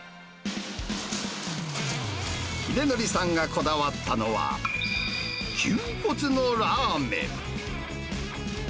英紀さんがこだわったのは、牛骨のラーメン。